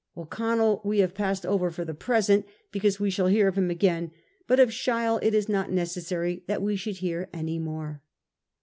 O'Connell we have passed over for the present, because we shall hear of him again ; but of Sheil it is not necessary that we should hear any more.